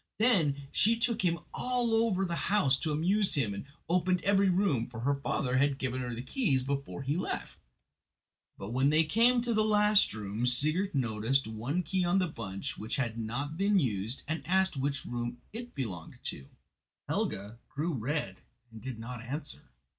Then she took him all over the house to amuse him, and opened every room, for her father had given her the keys before he left; but when they came to the last room Sigurd noticed one key on the bunch which had not been used and asked which room it belonged to." Helga grew red and did not answer.